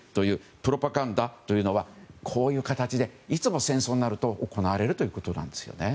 プロパガンダというのはこういう形でいつも戦争になると行われるということなんですね。